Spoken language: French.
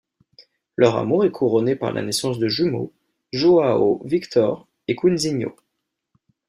Leur amour est couronné par la naissance de jumeaux, Joao Victor et Quinzinho.